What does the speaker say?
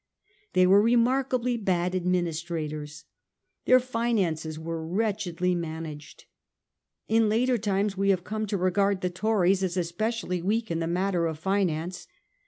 They were remark ably bad administrators ; their finances were wretch edly managed. In later times we have come to regard the Tories as especially weak in the matter of finance.